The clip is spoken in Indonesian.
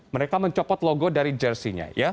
mereka mencopot logo dari jersinya